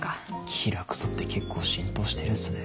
キラクソって結構浸透してるんすね。